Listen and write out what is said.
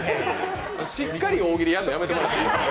しっかり大喜利やんの、やめてもらえますか？